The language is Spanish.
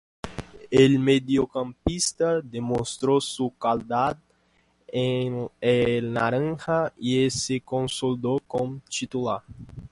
El mediocampista demostró su calidad en el naranja y se consolidó como titular.